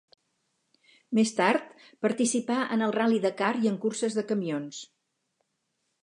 Més tard, participà en el Ral·li Dakar i en curses de camions.